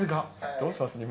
どうします？